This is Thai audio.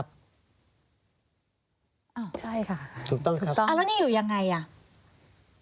สางผู้ชายตัดสิน